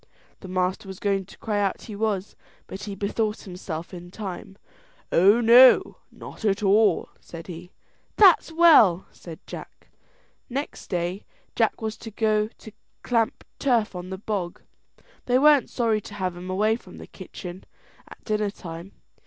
The master was going to cry out he was, but he bethought himself in time. "Oh no, not at all," said he. "That's well," said Jack. Next day Jack was to go clamp turf on the bog. They weren't sorry to have him away from the kitchen at dinner time.